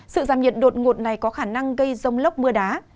sự giảm nhiệt đột ngột này có khả năng gây rông lốc mưa đá